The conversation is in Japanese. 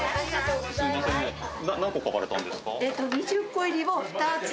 ２０個入りを２つ？